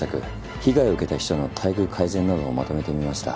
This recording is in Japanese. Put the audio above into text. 被害を受けた秘書の待遇改善などをまとめてみました。